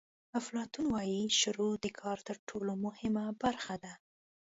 افلاطون وایي شروع د کار تر ټولو مهمه برخه ده.